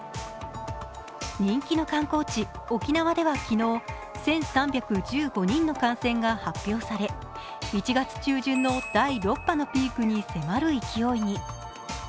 人気の観光地・沖縄では昨日、１３１５人の感染が発表され１月中旬の第６波のピークに迫る勢いに。